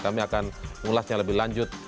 kami akan mengulasnya lebih lanjut